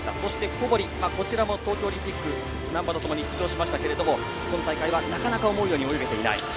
小堀は東京オリンピック難波とともに出場しましたが今大会はなかなか思うように泳げていない。